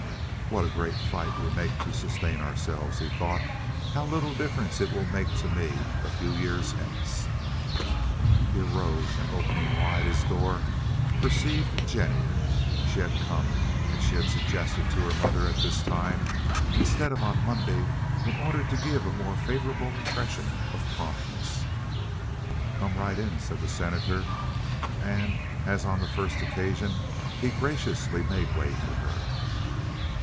"What a great fight we make to sustain ourselves!" he thought. "How little difference it will make to me a few years hence!" He arose, and opening wide his door, perceived Jennie. She had come, as she had suggested to her mother, at this time, instead of on Monday, in order to give a more favorable impression of promptness. "Come right in," said the Senator; and, as on the first occasion, he graciously made way for her.